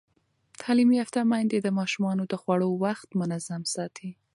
تعلیم یافته میندې د ماشومانو د خوړو وخت منظم ساتي.